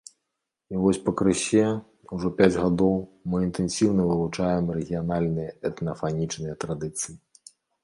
І вось пакрысе, ўжо пяць гадоў, мы інтэнсіўна вывучаем рэгіянальныя этнафанічныя традыцыі.